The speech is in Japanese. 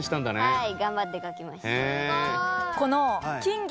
はい。